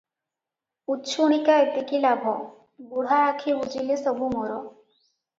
ଉଛୁଣିକା ଏତିକି ଲାଭ, ବୁଢ଼ା ଆଖି ବୁଜିଲେ ସବୁ ମୋର ।